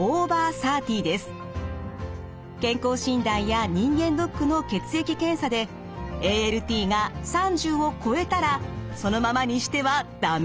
健康診断や人間ドックの血液検査でＡＬＴが３０を超えたらそのままにしては駄目！